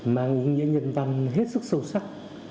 mang những nhân văn hết sức sâu sắc